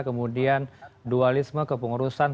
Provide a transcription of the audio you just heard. kemudian dualisme kepengurusan